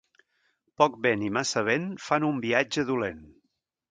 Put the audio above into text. Poc vent i massa vent fan un viatge dolent.